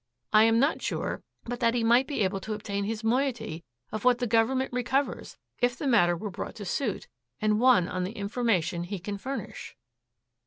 I am not sure but that he might be able to obtain his moiety of what the Government recovers if the matter were brought to suit and won on the information he can furnish."